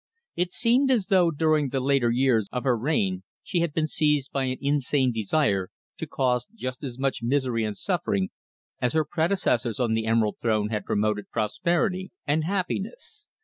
It seemed as though during the later years of her reign she had been seized by an insane desire to cause just as much misery and suffering as her predecessors on the Emerald Throne had promoted prosperity and happiness.